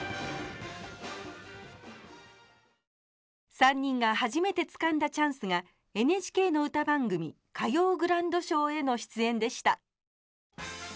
３人が初めてつかんだチャンスがＮＨＫの歌番組「歌謡グランドショー」への出演でした。